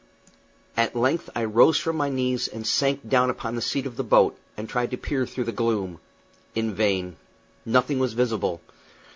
At length I rose from my knees and sank down upon the seat of the boat, and tried to peer through the gloom. In vain. Nothing was visible.